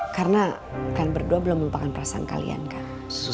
karena kalian berdua belum melupakan perasaan kalian kak